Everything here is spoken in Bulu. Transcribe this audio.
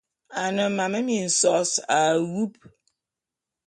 A ne mam minsōs a wub.